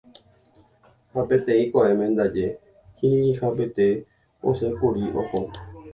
ha peteĩ ko'ẽme ndaje kirirĩhapete osẽkuri oho.